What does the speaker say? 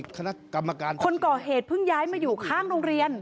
คณะกรรมการคนก่อเหตุเพิ่งย้ายมาอยู่ข้างโรงเรียน